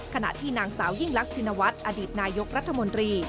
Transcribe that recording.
ขณะที่นางสาวยิ่งรักชินวัฒน์อดีตนายกรัฐมนตรี